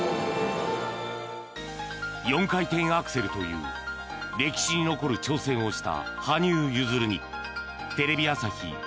４回転アクセルという歴史に残る挑戦をした羽生結弦にテレビ朝日